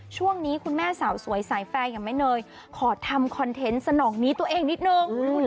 ช่วงนี้คุณแม่สาวสวยสายแฟร์อย่างแม่เนยขอทำคอนเทนต์สนองนี้ตัวเองนิดนึง